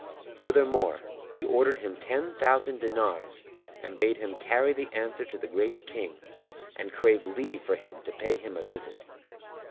Furthermore, he ordered him ten thousand dinars and bade him carry the answer to the Great King and crave leave for him to pay him a visit.